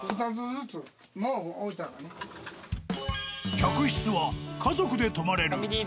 客室は家族で泊まれる。